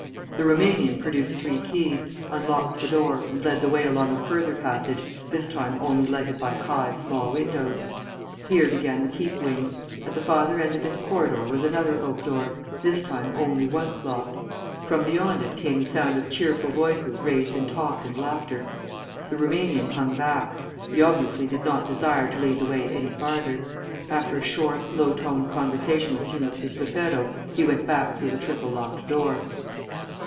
The Roumanian produced three keys, unlocked the door, and led the way along a further passage, this time only lighted by high, small windows. Here began the Keep Wing. At the farther end of this corridor was another oak door, this time only once locked. From beyond it came the sound of cheerful voices raised in talk and laughter. The Roumanian hung back. He obviously did not desire to lead the way any farther. After a short, low toned conversation with Signor Cristofero, he went back through the triple locked door.